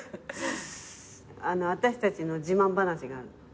私たちの自慢話がある。